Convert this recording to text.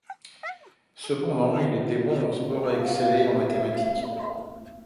Cependant, il était bon en sport et excellait en mathématiques.